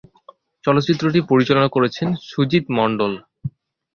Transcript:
চলচ্চিত্রটি পরিচালনা করেছেন সুজিত মন্ডল।